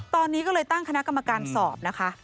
ตอนนี้ก็เลยตั้งคณะกรรมการสอบนะคะ